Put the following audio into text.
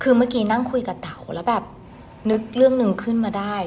คือเมื่อกี้นั่งคุยกับเต๋าแล้วแบบนึกเรื่องหนึ่งขึ้นมาได้